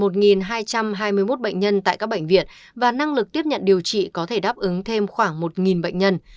một hai trăm hai mươi một bệnh nhân tại các bệnh viện và năng lực tiếp nhận điều trị có thể đáp ứng thêm khoảng một bệnh nhân